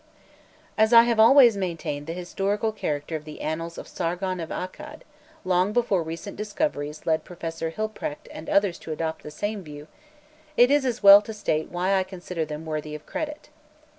As I have always maintained the historical character of the annals of Sargon of Accad, long before recent discoveries led Professor Hilprecht and others to adopt the same view, it is as well to state why I consider them worthy of credit.